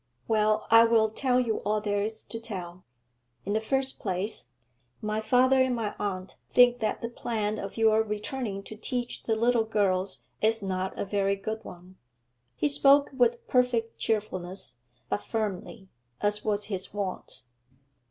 'Well, I will tell you all there is to tell. In the first place, my father and my aunt think that the plan of your returning to teach the little girls is not a very good one.' He spoke with perfect cheerfulness, but firmly, as was his wont.